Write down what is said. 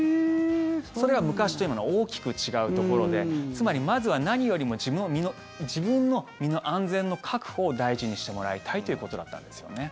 それは昔と今の大きく違うところでつまり、まずは何よりも自分の身の安全の確保を大事にしてもらいたいということだったんですよね。